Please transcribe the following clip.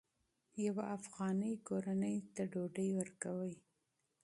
یوه افغاني کورنۍ ته ډوډۍ ورکوئ.